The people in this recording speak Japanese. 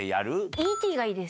Ｅ．Ｔ．がいいです！